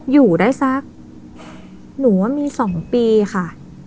อยู่ได้สักหนูว่ามี๒ปีค่ะ